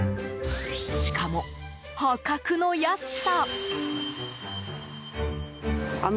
しかも、破格の安さ。